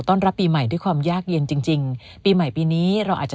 รับปีใหม่ด้วยความยากเย็นจริงจริงปีใหม่ปีนี้เราอาจจะ